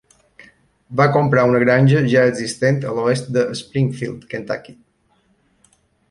Va comprar una granja ja existent a l'oest de Springfield, Kentucky.